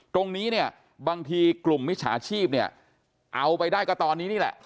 ตรงนี้บางทีกลุ่มมิชาชีพเอาไปได้ก็ตอนนี้นี่แหละ